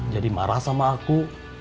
jadi marah sama aku